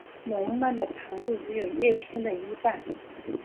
笼蔓的长度只有叶片的一半。